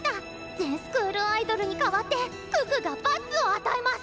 全スクールアイドルに代わって可可が罰を与えマス！